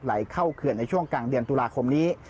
ไหลเข้าเขื่อนในช่วงกลางเดือนตุลาคมนี้